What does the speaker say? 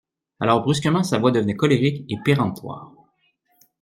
Alors brusquement sa voix devenait colérique et péremptoire.